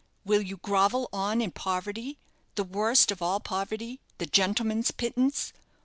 Will you grovel on in poverty the worst of all poverty, the gentleman's pittance?